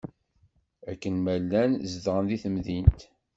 Akken ma llan zedɣen di temdint.